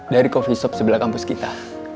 dari coffee shop sebelah kampus kita